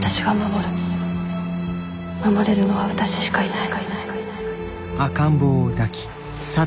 守れるのは私しかいない。